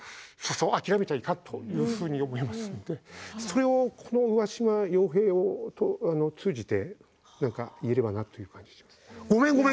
諦めちゃいかんというふうに思いますのでそれを、この上嶋陽平を通じてなんか言えればなという感じがします。